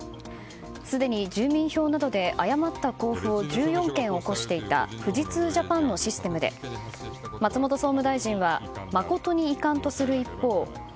すでに住民票などで誤った交付を１４件起こしていた富士通 Ｊａｐａｎ のシステムで松本総務大臣は誠に遺憾とする一方想像したんだ